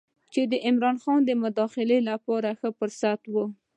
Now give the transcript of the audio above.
چې د عمرا خان د مداخلې لپاره ښه فرصت و.